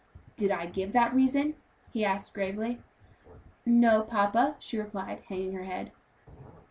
"Did I give that reason?" he asked gravely. "No, papa," she replied, hanging her head.